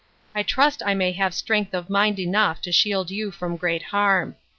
I trust I may have strength of mind enough to shield you from great harm.